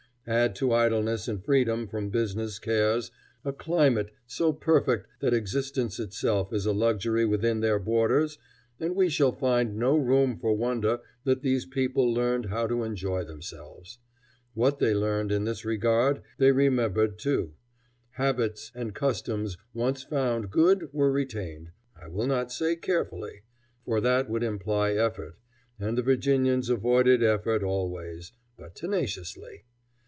Add to idleness and freedom from business cares a climate so perfect that existence itself is a luxury within their borders, and we shall find no room for wonder that these people learned how to enjoy themselves. What they learned, in this regard, they remembered too. Habits and customs once found good were retained, I will not say carefully, for that would imply effort, and the Virginians avoided effort always, but tenaciously.